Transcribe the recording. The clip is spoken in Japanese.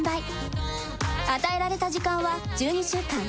与えられた時間は１２週間。